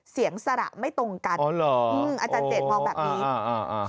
เสียงสละไม่ตรงกันอาจารย์เจตมองแบบนี้